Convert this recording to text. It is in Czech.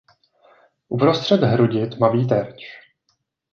Uprostřed hrudi tmavý terč.